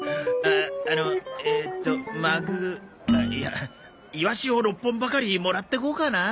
あのえーとマグいやイワシを６本ばかりもらってこうかな。